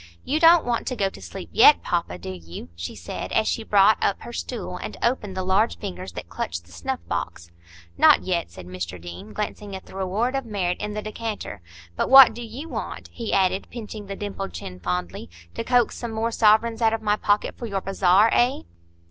"You don't want to go to sleep yet, papa, do you?" she said, as she brought up her stool and opened the large fingers that clutched the snuff box. "Not yet," said Mr Deane, glancing at the reward of merit in the decanter. "But what do you want?" he added, pinching the dimpled chin fondly,—"to coax some more sovereigns out of my pocket for your bazaar? Eh?"